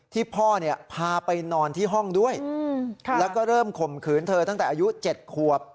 พ่อเนี่ยพาไปนอนที่ห้องด้วยแล้วก็เริ่มข่มขืนเธอตั้งแต่อายุ๗ขวบ